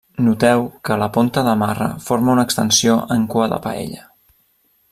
Noteu que la Ponta de Marra forma una extensió en cua de paella.